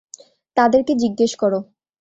তাদেরকে জিজ্ঞেস করো!